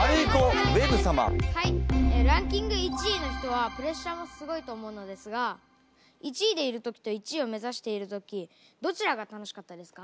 ランキング１位の人はプレッシャーもすごいと思うのですが１位でいる時と１位を目指している時どちらが楽しかったですか？